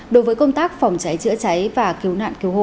đối với công tác phòng cháy chữa cháy và cứu nạn cứu hộ